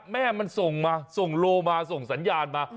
แม่มันส่งมาส่งโลมาส่งสัญญาณมา